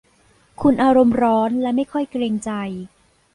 คุณอารมณ์ร้อนและไม่ค่อยเกรงใจ